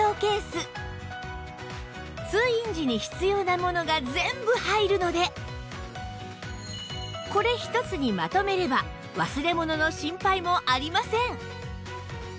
通院時に必要なものが全部入るのでこれ１つにまとめれば忘れ物の心配もありません